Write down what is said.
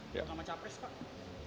bukan sama capres pak